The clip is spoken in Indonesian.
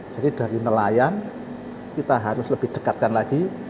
jadi dari nelayan kita harus lebih dekatkan lagi